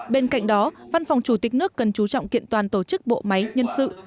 bên cạnh đó văn phòng chủ tịch nước cần chú trọng kiện toàn tổ chức bộ máy nhân sự